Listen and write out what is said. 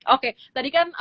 oke tadi kan